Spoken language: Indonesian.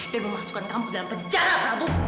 dan memasukkan kamu dalam penjara prabu